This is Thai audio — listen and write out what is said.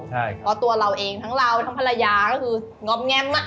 เพราะตัวเราเองทั้งเราทั้งภรรยาก็คืองอบแง่ม